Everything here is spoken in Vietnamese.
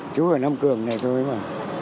chú ở nam cường này thôi mà